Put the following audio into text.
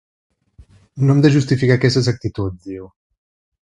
No hem de justificar aquestes actituds, diu.